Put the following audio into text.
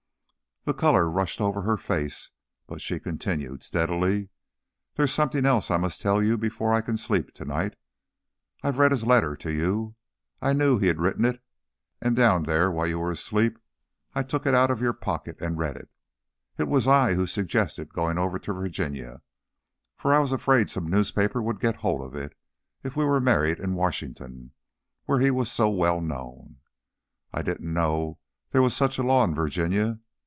The colour rushed over her face, but she continued steadily: "There's something else I must tell you before I can sleep to night. I've read his letter to you. I knew he'd written it, and down there while you were asleep I took it out of your pocket and read it. It was I who suggested going over to Virginia, for I was afraid some newspaper would get hold of it if we were married in Washington, where he was so well known. I didn't know there was such a law in Virginia.